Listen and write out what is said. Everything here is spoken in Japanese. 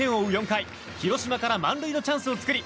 ４回広島から満塁のチャンスを作り